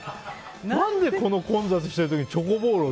何で混雑している時にチョコボールを。